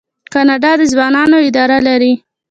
کاناډا د ځوانانو اداره لري.